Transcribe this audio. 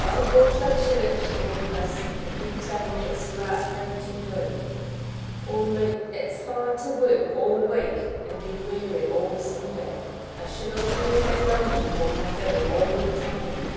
I'll go to church, though, miss, if you tell me it's the right thing to do; only it's hard to work all the week, and be weary all the Sunday. I should only be longing for my fiddle all the time.